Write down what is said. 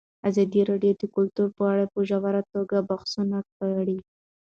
ازادي راډیو د کلتور په اړه په ژوره توګه بحثونه کړي.